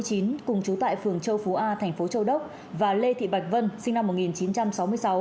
cùng chú tại phường châu phú a thành phố châu đốc và lê thị bạch vân sinh năm một nghìn chín trăm sáu mươi sáu